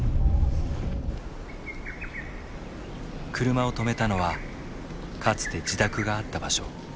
車を止めたのはかつて自宅があった場所。